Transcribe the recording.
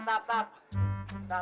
tidak tidak tidak tidak